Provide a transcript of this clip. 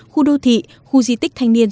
khu đô thị khu di tích thanh niên